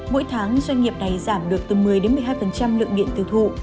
mỗi tháng doanh nghiệp này giảm được từ một mươi một mươi hai lượng điện tiêu thụ